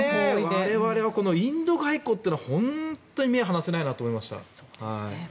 我々はインド外交というのは本当に目を離せないなと思いました。